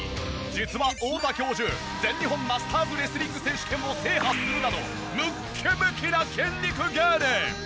実は太田教授全日本マスターズレスリング選手権を制覇するなどムッキムキな筋肉芸人！